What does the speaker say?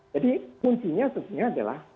jadi kuncinya sebetulnya adalah